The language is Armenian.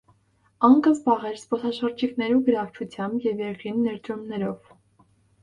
Ան կը զբաղէր զբօսաշրջիկներու գրաւչութեամբ եւ երկրին ներդրումներով։